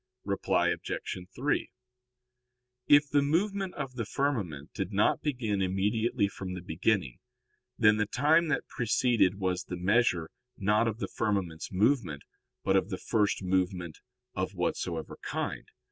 Reply Obj. 3: If the movement of the firmament did not begin immediately from the beginning, then the time that preceded was the measure, not of the firmament's movement, but of the first movement of whatsoever kind.